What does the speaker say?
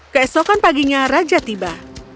keesokan paginya raja tiba